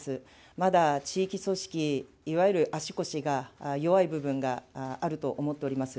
まだ地域組織、いわゆる足腰が弱い部分があると思っております。